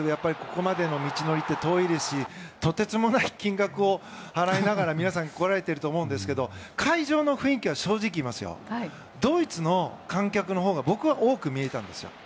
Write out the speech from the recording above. ここまでの道のりって遠いですしとてつもない金額を払いながら皆さん来られていると思うんですが会場の雰囲気は、正直言いますよドイツの観客のほうが僕は多く見えたんですよ。